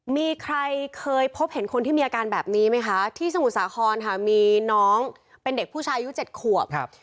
มีใครเคยพบเห็นคนที่มีอาการแบบนี้ไหมคะที่สมุทรสาครค่ะมีน้องเป็นเด็กผู้ชายอายุ๗ขวบ